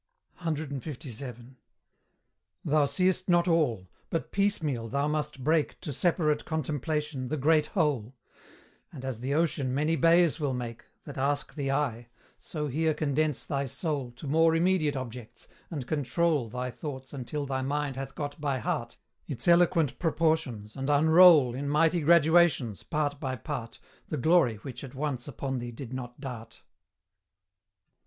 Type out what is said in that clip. CLVII. Thou seest not all; but piecemeal thou must break To separate contemplation, the great whole; And as the ocean many bays will make, That ask the eye so here condense thy soul To more immediate objects, and control Thy thoughts until thy mind hath got by heart Its eloquent proportions, and unroll In mighty graduations, part by part, The glory which at once upon thee did not dart.